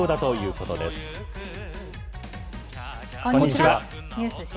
こんにちは。